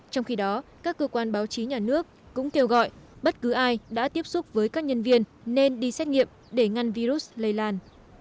trong khi đó các cơ quan báo chí nhà nước cũng kêu gọi bất cứ ai đã tiếp xúc với các nhân viên nên đi xét nghiệm để ngăn virus lây lan